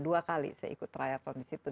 dua kali saya ikut triathon di situ